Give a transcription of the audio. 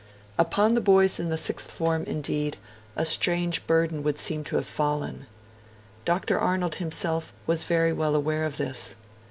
Upon the boys in the Sixth Form, indeed, a strange burden would seem to have fallen. Dr. Arnold himself was very well aware of this.